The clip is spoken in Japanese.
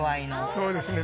そうですね。